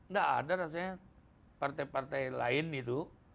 nggak ada rasanya partai partai lain itu